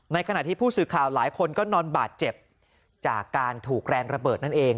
ขณะที่ผู้สื่อข่าวหลายคนก็นอนบาดเจ็บจากการถูกแรงระเบิดนั่นเอง